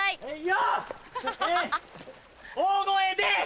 大声で！